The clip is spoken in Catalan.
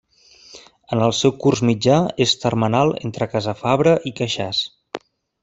En el seu curs mitjà és termenal entre Casafabre i Queixàs.